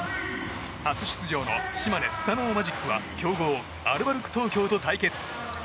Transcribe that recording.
初出場の島根スサノオマジックは強豪・アルバルク東京と対決。